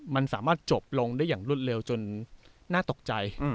มันสามารถจบลงได้อย่างรวดเร็วจนน่าตกใจ